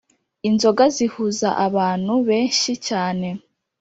Inzoga zihuza abantu beshyi cyane